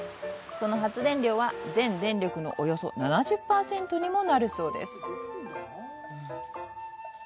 その発電量は全電力のおよそ７０％にもなるそうです。